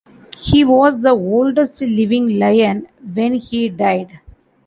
He was the oldest living Lion when he died.